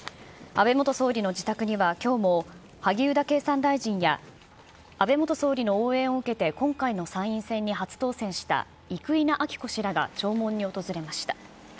安倍元総理の自宅にはきょうも萩生田経産大臣や安倍元総理の応援を受けて今回の参院選に初当選した生稲晃子氏らが弔問に訪れました。